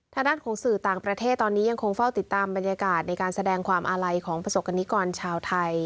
ทางด้านของสื่อต่างประเทศตอนนี้ยังคงเฝ้าติดตามบรรยากาศในการแสดงความอาลัยของประสบกรณิกรชาวไทย